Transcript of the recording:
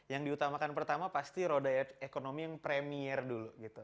yang diutamakan pertama pasti roda ekonomi yang premier dulu gitu